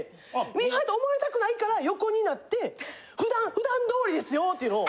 ミーハーと思われたくないから横になって普段普段通りですよ！っていうのを！